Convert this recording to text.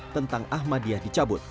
tentang ahmadiyah dicabut